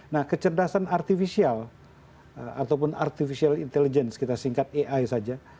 nah kecerdasan artificial ataupun artificial intelligence kita singkat ai saja